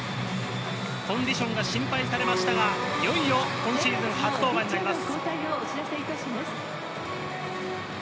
コンディションが心配されましたが、いよいよ今シーズン初登板になります。